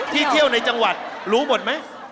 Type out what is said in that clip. เที่ยวในจังหวัดรู้หมดไหม